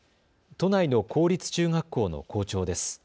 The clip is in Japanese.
都内の公立中学校の校長です。